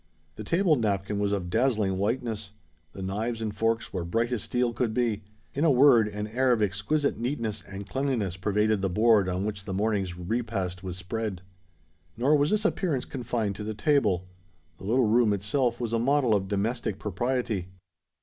The table napkin was of dazzling whiteness: the knives and forks were bright as steel could be;—in a word, an air of exquisite neatness and cleanliness pervaded the board on which the morning's repast was spread. Nor was this appearance confined to the table. The little room itself was a model of domestic propriety.